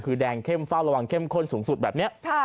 คือแดงเข้มเฝ้าระวังเข้มข้นสูงสุดแบบนี้